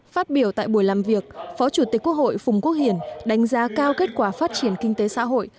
phát biểu tại buổi làm việc phó chủ tịch quốc hội phùng quốc hiển đánh giá cao kết quả phát triển kinh tế xã hội